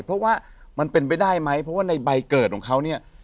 เพราะว่ามันเป็นไปได้ไหมเพราะว่าในใบเกิดของเขาเนี่ย